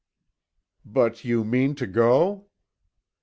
"But you mean to go?"